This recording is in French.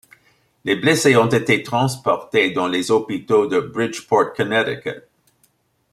Les blessés ont été transportés dans les hôpitaux de Bridgeport, Connecticut.